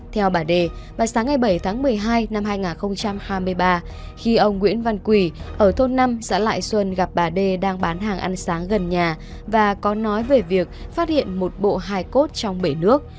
theo bà đề vào sáng ngày bảy tháng một mươi hai năm hai nghìn hai mươi ba khi ông nguyễn văn quỳ ở thôn năm xã lại xuân gặp bà đê đang bán hàng ăn sáng gần nhà và có nói về việc phát hiện một bộ hài cốt trong bể nước